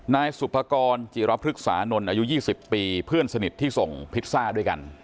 นายสุภกรจิรพฤกษานนท์อายุ๒๐ปีเพื่อนสนิทที่ส่งพิซซ่าด้วยกัน